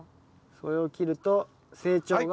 それを切ると成長が。